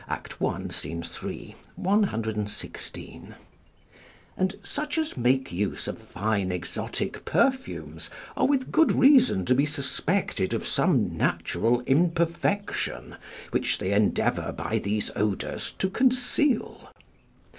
3, 116.] And such as make use of fine exotic perfumes are with good reason to be suspected of some natural imperfection which they endeavour by these odours to conceal.